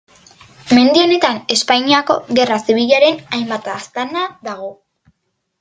Mendi honetan Espainiako Gerra Zibilaren hainbat aztarna dago.